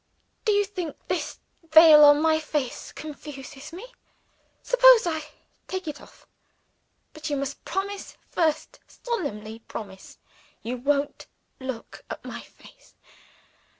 Do you think this veil on my face confuses me? Suppose I take it off. But you must promise first solemnly promise you won't look at my face.